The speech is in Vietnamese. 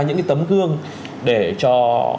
những cái tấm gương để cho